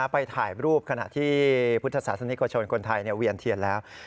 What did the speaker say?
ไปถ่ายรูปขณะที่พุทธศาสนิกชนคนไทยเวียนเทียนแล้ว